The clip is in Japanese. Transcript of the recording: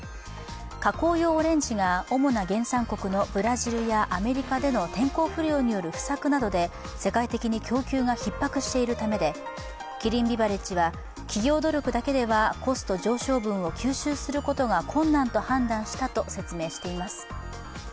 加工用オレンジが主な原産国のブラジルやアメリカでの天候不良による不作などで世界的に供給がひっ迫しているためでキリンビバレッジは企業努力だけではコスト上昇分を吸収することが困難だと判断したと説明しています。